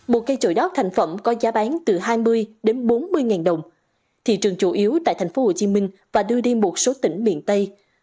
một cây chổi đót thành phẩm có giá bán từ hai mươi đến bốn mươi ngàn đồng thị trường chủ yếu tại thành phố hồ chí minh và đưa đi một số tỉnh miền tây